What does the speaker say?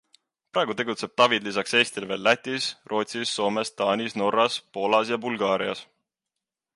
Praegu tegutseb Tavid lisaks Eestile veel Lätis, Rootsis, Soomes, Taanis, Norras, Poolas ja Bulgaarias.